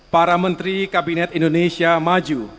para menteri kabinet indonesia maju